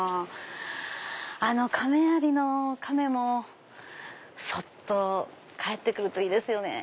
あの亀有の亀もそっと返って来るといいですよね。